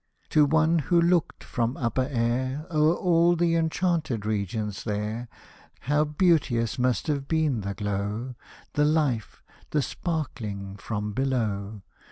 To one, who looked from upper air O'er all the enchanted regions there. How beauteous must have been the glow. The life, the sparkling from below